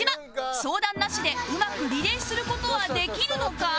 相談なしでうまくリレーする事はできるのか？